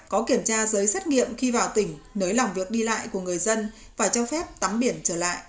có kiểm tra giới xét nghiệm khi vào tỉnh nới lòng việc đi lại của người dân và cho phép tắm biển trở lại